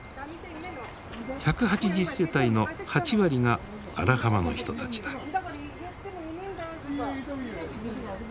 １８０世帯の８割が荒浜の人たちだ。